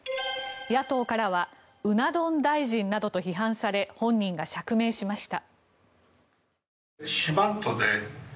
野党からはうな丼大臣などと批判され本人が釈明しました。